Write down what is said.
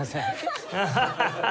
ハハハハ！